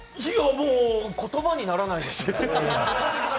もう言葉にならないですよね。